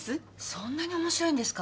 そんなに面白いんですか？